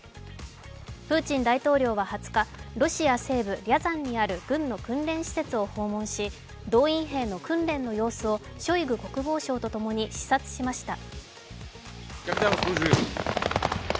プーチン大統領は２０日ロシア西部リャザンにある軍の訓練施設を訪問し動員兵の訓練の様子をショイグ国防相と共に視察しました。